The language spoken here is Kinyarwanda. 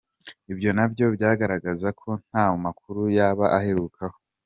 Ibyo na byo byagaragaza ko nta makuru yaba aherukaho.